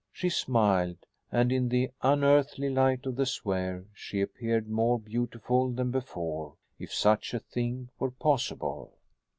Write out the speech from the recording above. She smiled, and in the unearthly light of the sphere she appeared more beautiful than before, if such a thing were possible.